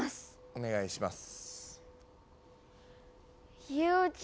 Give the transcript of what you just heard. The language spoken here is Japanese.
お願いします。